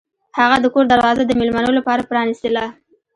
هغه د کور دروازه د میلمنو لپاره پرانیستله.